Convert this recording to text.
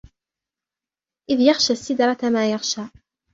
إذ يغشى السدرة ما يغشى